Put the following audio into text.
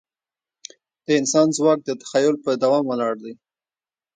د انسان ځواک د تخیل په دوام ولاړ دی.